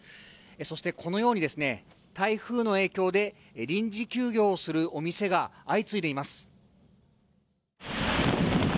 そしてこのように台風の影響で臨時休業するお店が相次いでいます。